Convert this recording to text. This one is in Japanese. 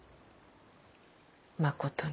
まことに。